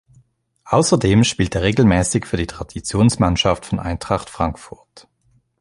Außerdem spielt er regelmäßig für die Traditionsmannschaft von Eintracht Frankfurt.